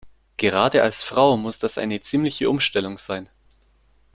Gerade als Frau muss das eine ziemliche Umstellung sein.